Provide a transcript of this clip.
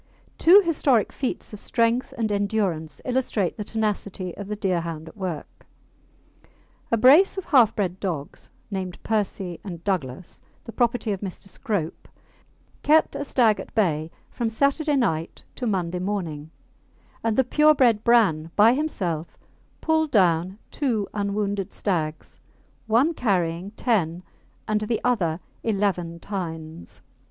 Two historic feats of strength and endurance illustrate the tenacity of the Deerhound at work. A brace of half bred dogs, named Percy and Douglas, the property of Mr. Scrope, kept a stag at bay from Saturday night to Monday morning; and the pure bred Bran by himself pulled down two unwounded stags, one carrying ten and the other eleven tines.